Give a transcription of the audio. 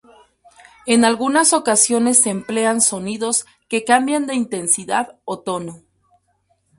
En algunas ocasiones se emplean sonidos que cambian de intensidad o tono.